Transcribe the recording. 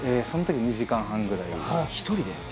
その時２時間半ぐらい１人で？